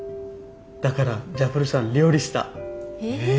だからジャファルさん料理した。え？